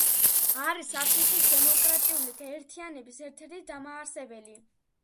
არის აფრიკის დემოკრატიული გაერთიანების ერთ-ერთი დამაარსებელი.